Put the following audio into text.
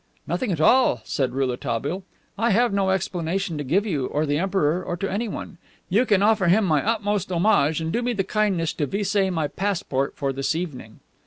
"Nothing at all," said Rouletabille. "I have no explanation to give you or the Emperor, or to anyone. You can offer him my utmost homage and do me the kindness to vise my passport for this evening."